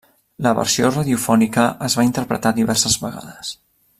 La versió radiofònica es va interpretar diverses vegades.